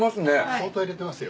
相当入れてますよ。